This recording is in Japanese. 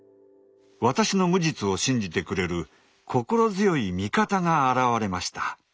私の無実を信じてくれる心強い味方が現れました。